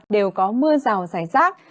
đều có mưa rào rải rác